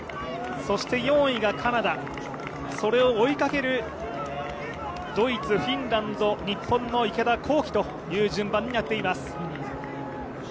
そして４位がカナダ、それを追いかけるドイツ、フィンランド日本の池田向希という順番になっています。